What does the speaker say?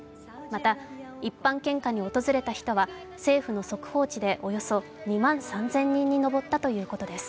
また、一般献花に訪れた人は政府の速報値でおよそ２万３０００人に上ったということです。